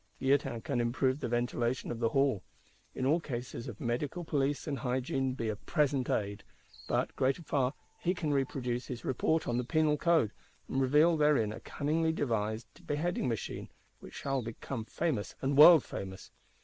Guillotin can improve the ventilation of the Hall; in all cases of medical police and hygiène be a present aid: but, greater far, he can produce his "Report on the Penal Code;" and reveal therein a cunningly devised Beheading Machine, which shall become famous and world famous.